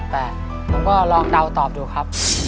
แต่ผมก็ลองเดาตอบดูครับ